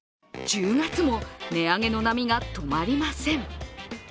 １０月も値上げの波がとまりません。